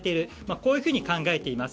こういうふうに考えています。